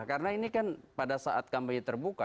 karena ini kan pada saat kampanye terbuka